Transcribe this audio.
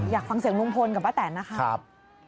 อยากฟังเสียงลุงพลกับป้าแตนนะครับ